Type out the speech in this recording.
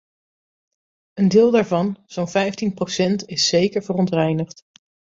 Een deel daarvan, zo'n vijftien procent, is zeker verontreinigd.